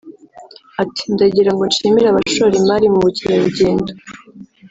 ati “Ndagira ngo nshimire abashora imari mu bukerarugendo